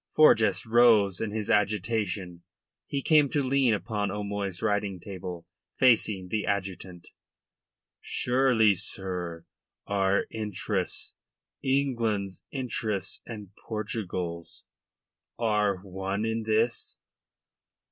Forjas rose in his agitation. He came to lean upon O'Moy's writing table, facing the adjutant. "Surely, sir, our interests England's interests and Portugal's are one in this."